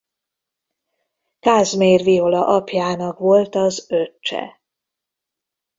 Kázmér Viola apjának volt az öccse.